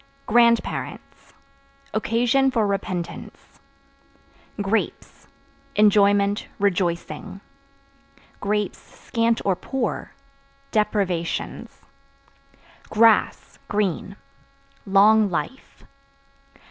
Grandparents Occasion for repentance. Grapes Enjoyment, rejoicing; (scant or poor) deprivations. Grass (Green) long life.